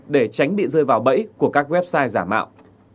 để tránh bị rơi vào bẫy của các website giả mạo